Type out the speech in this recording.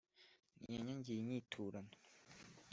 Ntiyanyagiye inyiturano